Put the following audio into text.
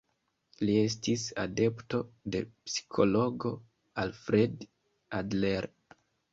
Li estis adepto de psikologo Alfred Adler.